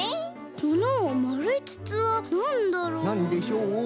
このまるいつつはなんだろう？なんでしょう？